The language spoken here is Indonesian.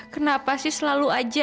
kenapa sih selalu aja